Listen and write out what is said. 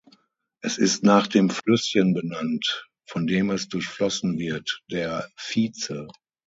Es ist nach dem Flüsschen benannt, von dem es durchflossen wird, der "Vietze".